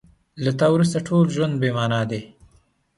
له تا وروسته ټول ژوند بې مانا دی.